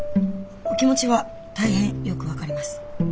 お気持ちは大変よく分かりますはい。